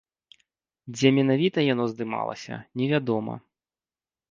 Дзе менавіта яно здымалася, невядома.